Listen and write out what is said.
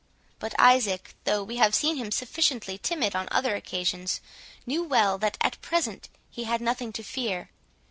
But Isaac, though we have seen him sufficiently timid on other occasions, knew well that at present he had nothing to fear.